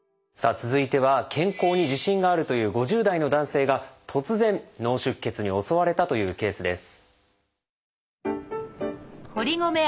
続いては健康に自信があるという５０代の男性が突然脳出血に襲われたというケースです。